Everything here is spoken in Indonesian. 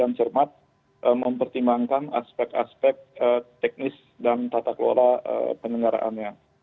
dan kita harus betul betul berhati hati dan cermat mempertimbangkan aspek aspek teknis dan tata kelola penyelenggaraannya